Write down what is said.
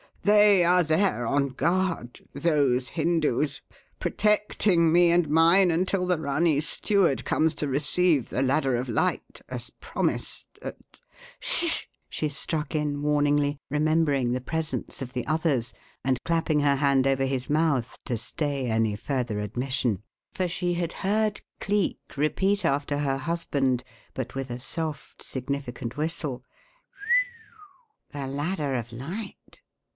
They are there, on guard, those Hindus, protecting me and mine until the Ranee's steward comes to receive the Ladder of Light, as promised, at " "Sh h!" she struck in warningly, remembering the presence of the others, and clapping her hand over his mouth to stay any further admission; for she had heard Cleek repeat after her husband but with a soft significant whistle "The Ladder of Light!"